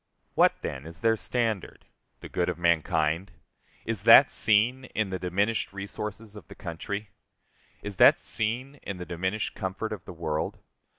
What, then, is their standard? The good of mankind? Is that seen in the diminished resources of the country? Is that seen in the diminished comfort of the world?